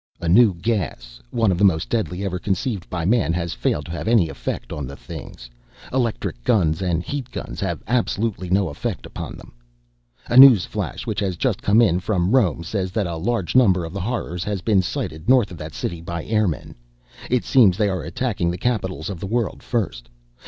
A new gas, one of the most deadly ever conceived by man, has failed to have any effect on the things. Electric guns and heat guns have absolutely no effect upon them. "A news flash which has just come in from Rome says that a large number of the Horrors has been sighted north of that city by airmen. It seems they are attacking the capitals of the world first.